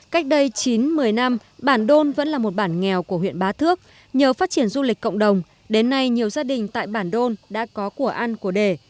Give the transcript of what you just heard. cách đây chín một mươi năm bản đôn vẫn là một bản nghèo của huyện bá thước nhờ phát triển du lịch cộng đồng đến nay nhiều gia đình tại bản đôn đã có của ăn của đề